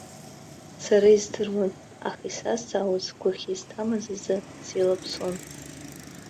Сара издыруан, аха исазҵаауаз сгәы ахьизҭамыз азы сеилаԥсон.